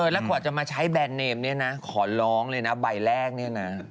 แล้วกว่าจะมาใช้แบรนดเนมเนี่ยนะขอร้องเลยนะใบแรกเนี่ยนะ